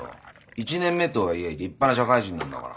１年目とはいえ立派な社会人なんだから。